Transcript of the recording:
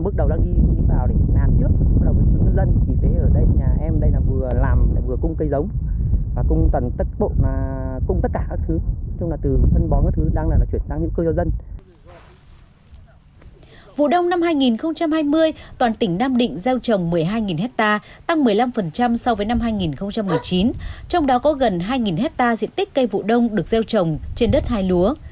tăng một mươi năm so với năm hai nghìn một mươi chín trong đó có gần hai hectare diện tích cây vụ đông được gieo trồng trên đất hai lúa